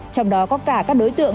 trong đó có cả các đối tượng